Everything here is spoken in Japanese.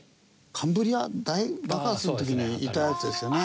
カンブリア大爆発の時にいたやつですよね？